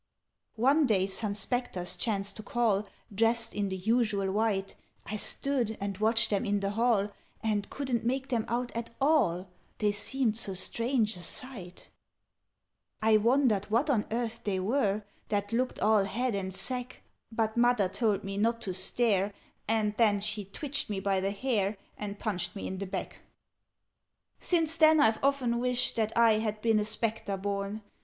"One day, some Spectres chanced to call, Dressed in the usual white: I stood and watched them in the hall, And couldn't make them out at all, They seemed so strange a sight. "I wondered what on earth they were, That looked all head and sack; But Mother told me not to stare, And then she twitched me by the hair, And punched me in the back. "Since then I've often wished that I Had been a Spectre born.